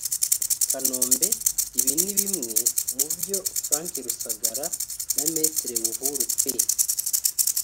Kanombe – Ibi ni bimwe mu byo Frank Rusagara na Me Buhuru P